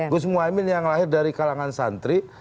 gus muhaymin yang lahir dari kalangan santri